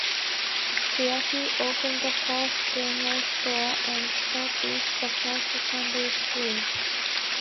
There he opened the first general store and started the first Sunday school.